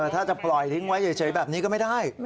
ถ้าจะปล่อยทิ้งไว้เฉยแบบนี้ก็ไม่ได้